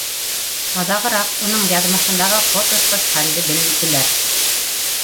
Аҙағыраҡ уның яҙмышындағы ҡот осҡос хәлде бел- ннор